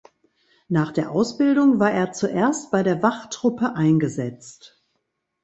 Nach der Ausbildung war er zuerst bei der Wachtruppe eingesetzt.